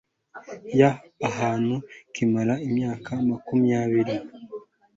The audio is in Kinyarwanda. y ahantu kimara imyaka makumyabiri